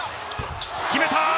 決めた！